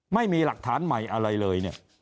ไม่มีหลักฐานใหม่อะไรเลยเนี่ย